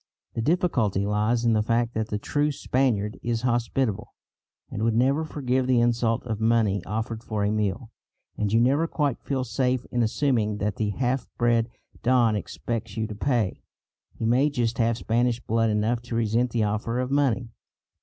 The difficulty lies in the fact that the true Spaniard is hospitable, and would never forgive the insult of money offered for a meal, and you never quite feel safe in assuming that the half bred don expects you to pay. He may just have Spanish blood enough to resent the offer of money.